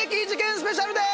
スペシャルです。